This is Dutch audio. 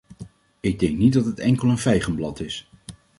Ik denk niet dat het enkel een vijgenblad is.